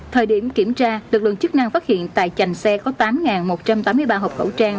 thời điểm kiểm tra lực lượng chức năng phát hiện tại chành xe có tám một trăm tám mươi ba hộp khẩu trang